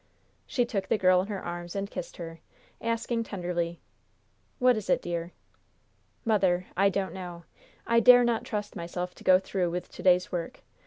She took the girl in her arms and kissed her, asking tenderly: "What is it, dear?" "Mother, I don't know. I dare not trust myself to go through with to day's work.